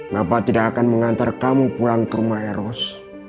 napa tidak akan mengantar kamu pulang ke rumah eros